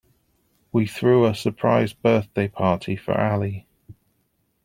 We threw a surprise birthday party for Ali.